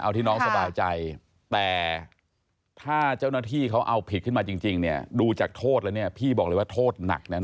เอาที่น้องสบายใจแต่ถ้าเจ้าหน้าที่เขาเอาผิดขึ้นมาจริงเนี่ยดูจากโทษแล้วเนี่ยพี่บอกเลยว่าโทษหนักแน่น